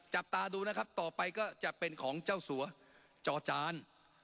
จับตาดูนะครับต่อไปก็จะเป็นของเจ้าสัวจอจาน